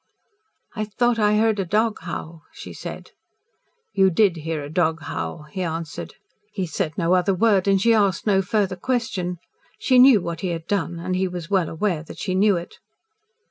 "I thought I heard a dog howl," she said. "You did hear a dog howl," he answered. He said no other word, and she asked no further question. She knew what he had done, and he was well aware that she knew it.